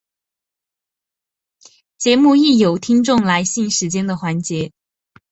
节目亦有听众来信时间的环节。